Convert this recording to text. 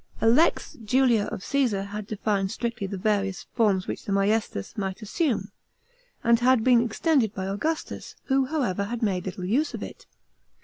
A lex Julia of Cassar had defined strictly the various forms which maiestas might assume, a"d had been extended by Augustus, who, however, had made little use of it.